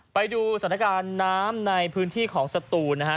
ไปดูสถานการณ์น้ำในพื้นที่ของสตูนนะฮะ